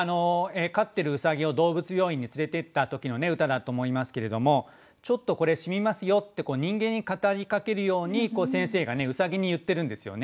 飼ってるウサギを動物病院に連れていった時の歌だと思いますけれども「ちょっとこれしみますよ」って人間に語りかけるように先生がウサギに言ってるんですよね。